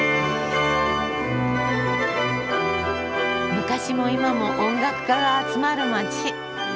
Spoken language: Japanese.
昔も今も音楽家が集まる街。